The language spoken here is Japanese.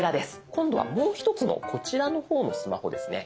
今度はもう１つのこちらの方のスマホですね。